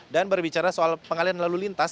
dan berbicara soal pengalian lalu lintas